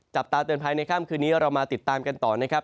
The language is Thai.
จับตาเตือนภัยในค่ำคืนนี้เรามาติดตามกันต่อนะครับ